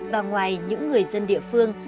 và ngoài những người dân địa phương